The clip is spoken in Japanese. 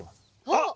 あっ！